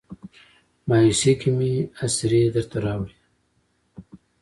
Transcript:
مایوسۍ کې مې اسرې درته راوړي